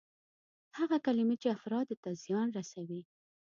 هغه کلمې چې افرادو ته زیان رسوي.